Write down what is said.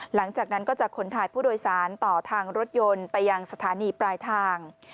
หลังจากนั้นก็จะขนถ่ายผู้โดยสารต่อทางรถยนต์ไปยังสถานีปลายทาง